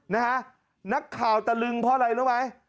นะฮะนักข่าวตะลึงเพราะอะไรรู้ไหม